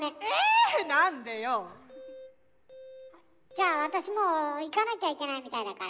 じゃあ私もう行かなきゃいけないみたいだから。